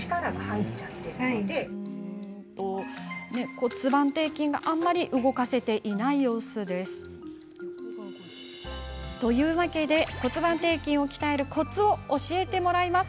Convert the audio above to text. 骨盤底筋があまり動かせていない様子。というわけで、骨盤底筋を鍛えるコツを教えてもらいます。